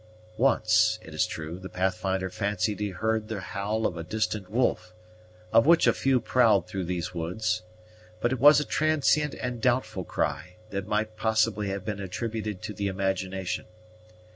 Once, it is true, the Pathfinder fancied he heard the howl of a distant wolf, of which a few prowled through these woods; but it was a transient and doubtful cry, that might possibly have been attributed to the imagination.